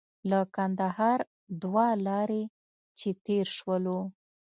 له کندهار دوه لارې چې تېر شولو.